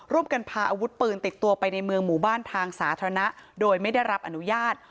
พาอาวุธปืนติดตัวไปในเมืองหมู่บ้านทางสาธารณะโดยไม่ได้รับอนุญาต